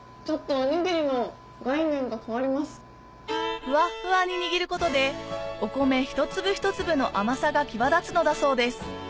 フワッフワに握ることでお米一粒一粒の甘さが際立つのだそうです